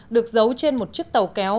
được giấu trên một chiếc tàu kéo